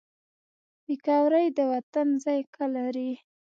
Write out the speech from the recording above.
پکورې د وطن ذایقه لري